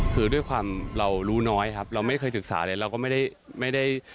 คือด้วยความเรารู้น้อยครับเราไม่เคยศึกษาเลยเราก็ไม่ได้ไม่ได้